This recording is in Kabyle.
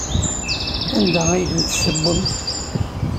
Anda ay ten-tessewwemt?